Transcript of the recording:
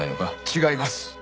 違います。